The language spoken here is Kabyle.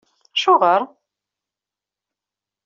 AcuƔer?